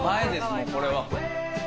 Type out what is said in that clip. もうこれは。